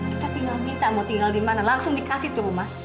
kita tinggal minta mau tinggal di mana langsung dikasih tuh rumah